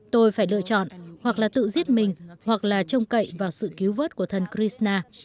tôi phải lựa chọn hoặc là tự giết mình hoặc là trông cậy vào sự cứu vớt của thần chrisna